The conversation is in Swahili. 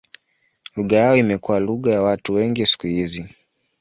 Lugha yao imekuwa lugha ya watu wengi siku hizi.